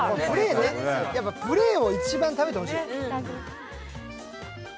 やっぱプレーンを一番食べてほしい。